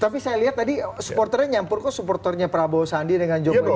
tapi saya lihat tadi supporternya nyampur kok supporternya prabowo sandi dengan jokowi